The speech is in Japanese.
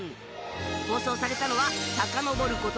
放送されたのはさかのぼること